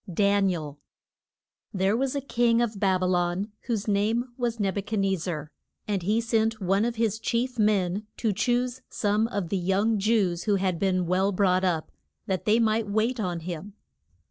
DANIEL. THERE was a king of Bab y lon whose name was Neb u chad nez zar. And he sent one of his chief men to choose some of the young Jews who had been well brought up, that they might wait on him.